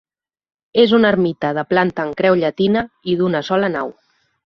És una ermita de planta en creu llatina i d'una sola nau.